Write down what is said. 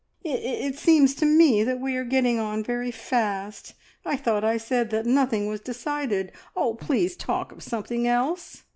"It it seems to me we are getting on very fast. I thought I said that nothing was decided. Oh, please talk of something else!"